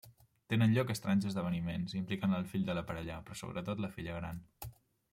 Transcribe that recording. Tenen lloc estranys esdeveniments, implicant el fill de la parella, però sobretot la filla gran.